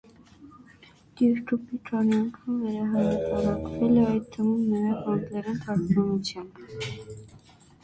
Գիրքը մի քանի անգամ վերահրատարակվել է, այդ թվում նաև անգլերեն թարգմանությամբ։